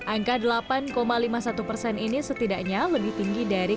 angka delapan lima puluh satu persen ini setelah kenaikan ump dua ribu dua puluh